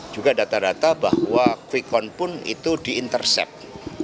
juga data data bahwa quick count pun itu di intercept